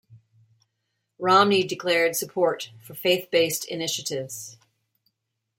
Romney declared support for faith-based initiatives.